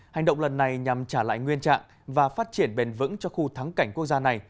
hành động lần này nhằm trả lại nguyên trạng và phát triển bền vững cho khu thắng cảnh quốc gia này